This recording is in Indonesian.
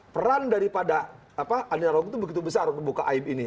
peran daripada adil dan rakyat itu begitu besar untuk membuka air ini